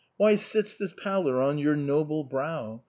Why sits this pallor on your noble brow?